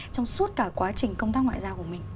trong suốt cả quá trình công tác ngoại giao của mình